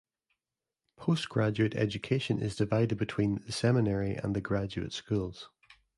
Postgraduate education is divided between the seminary and the graduate schools.